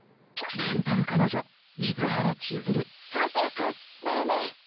レンタル彼女水原千鶴和也君だよね？